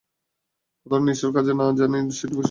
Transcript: কতটা নিষ্ঠুর কাজে না জানি সে ডুবে ছিল?